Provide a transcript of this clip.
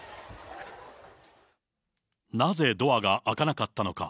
なぜドアが開かなかったのか。